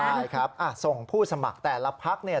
ใช่ครับส่งผู้สมัครแต่ละพักเนี่ย